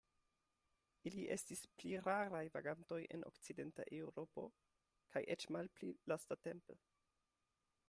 Ili estis pli raraj vagantoj en okcidenta Eŭropo, kaj eĉ malpli lastatempe.